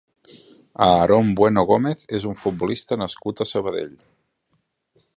Aarón Bueno Gómez és un futbolista nascut a Sabadell.